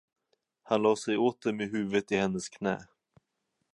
Han lade sig åter med huvudet i hennes knä.